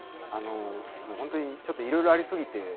あのもうほんとにちょっといろいろありすぎて。